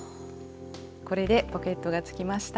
これでポケットがつきました。